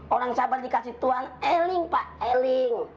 orang sabar dikasih tuhan eling pak eling